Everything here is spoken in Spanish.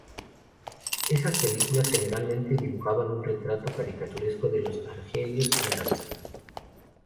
Esas películas generalmente dibujaban un retrato caricaturesco de argelinos y árabes.